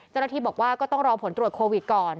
เจ้าหน้าที่บอกว่าก็ต้องรอผลตรวจโควิดก่อน